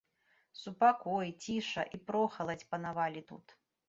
Супакой, ціша і прохаладзь панавалі тут.